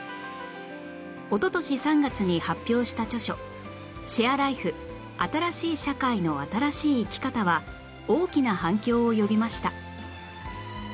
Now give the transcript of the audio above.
おととし３月に発表した著書『シェアライフ新しい社会の新しい生き方』は大きな反響を呼びました